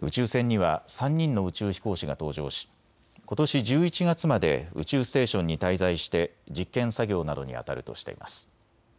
宇宙船には３人の宇宙飛行士が搭乗し、ことし１１月まで宇宙ステーションに滞在して実験作業などにあたるとしています。